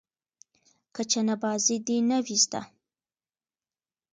که چنه بازي دې نه وي زده.